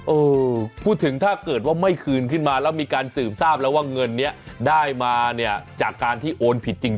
เออพูดถึงถ้าเกิดว่าไม่คืนขึ้นมาแล้วมีการสืบทราบแล้วว่าเงินนี้ได้มาเนี่ยจากการที่โอนผิดจริง